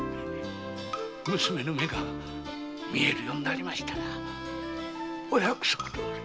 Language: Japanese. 娘の目が見えるようになりましたらお約束どおり。